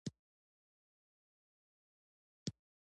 خټکی د بدن لپاره یو قوي انټياکسیدان لري.